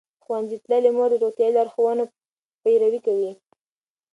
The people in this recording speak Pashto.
ښوونځې تللې مور د روغتیايي لارښوونو پیروي کوي.